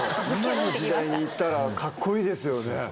今の時代にいたらかっこいいですよね。